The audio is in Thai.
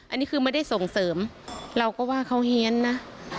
อันนี้คือไม่ได้ส่งเสริมเราก็ว่าเขาเฮียนนะ